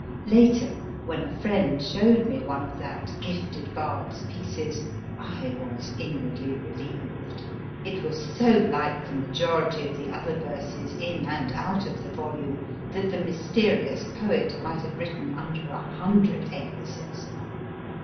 Later, when a friend showed me one of that gifted bard s pieces, I was inwardly relieved ! It was so like the majority of the other verses, in and out of the volume, that the mysterious poet might have written under a hundred aliases.